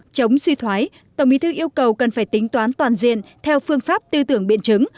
chống suy thoái tổng bí thư yêu cầu cần phải tính toán toàn diện theo phương pháp tư tưởng biện chứng